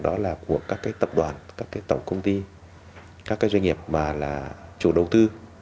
đó là của các cái tập đoàn các cái tổng công ty các cái doanh nghiệp mà là chủ đầu tư